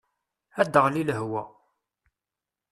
Ad aɣli lehwa.